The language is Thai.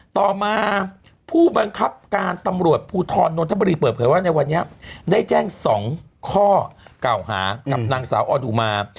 ต่อมาผู้บังคับการตำรวจภูทรนนทบุรีเปิดเผยว่าในวันนี้ได้แจ้ง๒ข้อเก่าหากับนางสาวออนอุมา